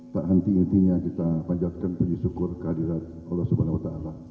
tak henti henti kita panjatkan penyukur kehadiran allah swt